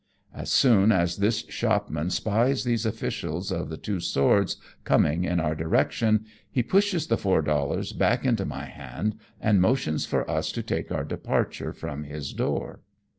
As soon as this shopman spies these officials of the two swords coming in our direction, he pushes the four dollars back into my hand, and motions for us to take our departure from his door.